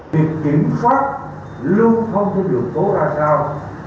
việc kiểm soát luôn không thể được tố ra sao